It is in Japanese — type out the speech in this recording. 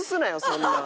そんなん。